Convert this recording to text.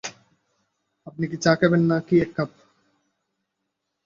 আপনি কি চা খাবেন না কি এক কাপ?